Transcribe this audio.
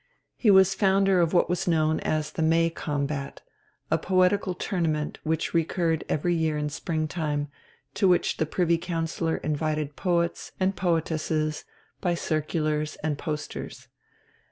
He was founder of what was known as the "May combat" a poetical tournament which recurred every year in springtime, to which the Privy Councillor invited poets and poetesses by circulars and posters.